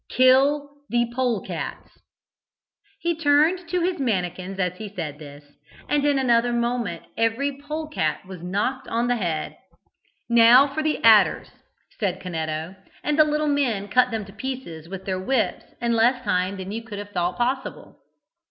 Kill the polecats!" He turned to his mannikins as he said this, and in another moment every polecat was knocked on the head. "Now for the adders," said Canetto; and the little men cut them to pieces with their whips in less time than you would have thought possible.